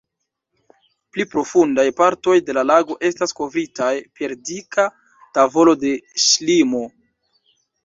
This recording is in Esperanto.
Pli profundaj partoj de la lago estas kovritaj per dika tavolo de ŝlimo.